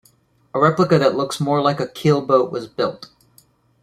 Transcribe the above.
A replica that looks more like a keel boat was built.